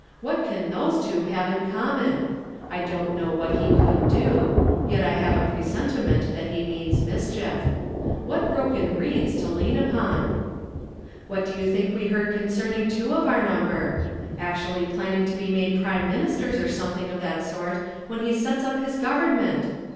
What can those two have in common ? I don't know what he could do, yet I have a presentiment that he means mischief. What broken reeds to lean upon ! What do you think we heard concernincr two of our number? Actually plam ing to be made prime ministers or something of that sort when he sets up his government